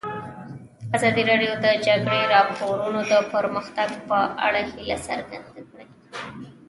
ازادي راډیو د د جګړې راپورونه د پرمختګ په اړه هیله څرګنده کړې.